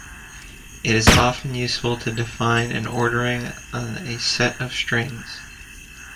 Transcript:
It is often useful to define an ordering on a set of strings.